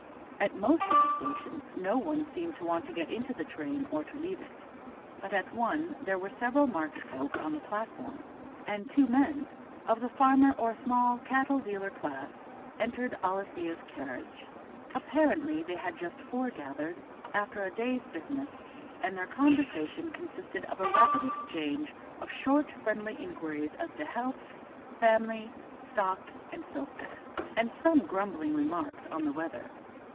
At most of the stations no one seemed to want to get into the train or to leave it, but at one there were several market folk on the platform, and two men, of the farmer or small cattle dealer class, entered Alethia's carriage. Apparently they had just foregathered, after a day's business, and their conversation consisted of a rapid exchange of short friendly inquiries as to health, family, stock, and so forth, and some grumbling remarks on the weather.